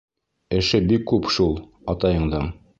— Эше бик күп шул атайыңдың.